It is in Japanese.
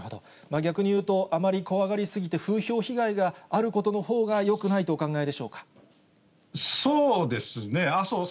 逆に言うとあまり怖がり過ぎて、風評被害があることの方が、よくないとお考えでしそうですね、阿蘇山